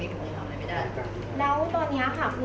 ไม่ต้องฟังให้ดีอ่ะเพราะว่าคุณพูดอย่างนี้อ่ะ